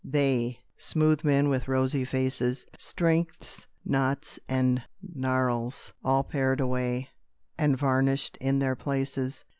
they, Smooth men with rosy faces, Strength's knots and gnarls all pared away, And varnish in their places!